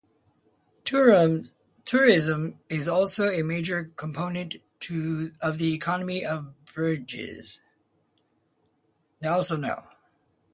Tourism is also a major component of the economy of Bruges.